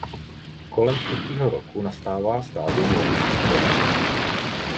Kolem třetího roku nastává stadium logických pojmů.